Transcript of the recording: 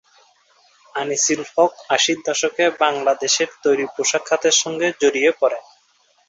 আনিসুল হক আশির দশকে বাংলাদেশের তৈরি পোশাক খাতের সঙ্গে জড়িয়ে পড়েন।